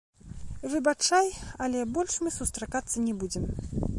Выбачай, але больш мы сустракацца не будзем.